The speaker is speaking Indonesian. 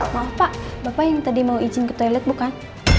maaf pak bapak yang tadi mau izin ke toilet bukan